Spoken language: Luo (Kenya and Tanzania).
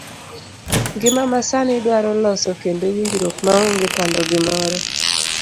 Ngima ma sani dwaro loso kendo winjruok maonge pando gimoro.